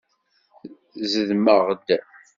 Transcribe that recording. Zedmeɣ-d.